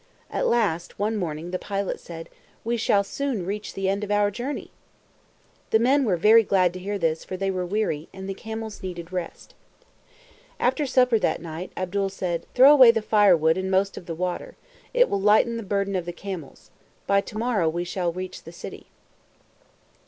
At last, one morning the pilot said, "We shall soon reach the end of our journey." The men were very glad to hear this, for they were weary, and the camels needed rest. After supper that night Abdul said, "Throw away the firewood and most of the water. It will lighten the burden of the camels. By to morrow we shall reach the city."